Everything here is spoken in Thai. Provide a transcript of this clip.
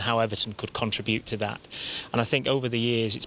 และว่าเอเวอร์ตอนนั้นพวกมันคงได้ส่งความรู้สึก